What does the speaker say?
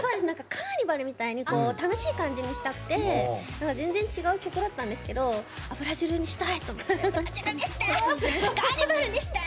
カーニバルみたいに楽しい感じにしたくて全然、違う曲だったんですけどブラジルにしたいと思ってブラジルにして！